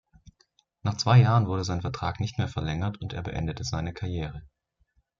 Nach zwei Jahren wurde sein Vertrag nicht mehr verlängert, und er beendete seine Karriere.